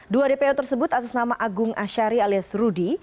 dua dpo tersebut atas nama agung asyari alias rudy